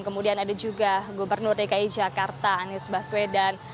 kemudian ada juga gubernur dki jakarta anies baswedan